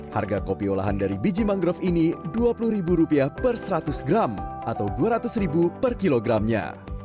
harga kopi olahan dari biji mangrove ini rp dua puluh per seratus gram atau rp dua ratus per kilogramnya